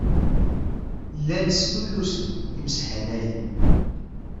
Llan stullusen imeshanayen.